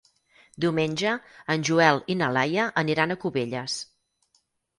Diumenge en Joel i na Laia aniran a Cubelles.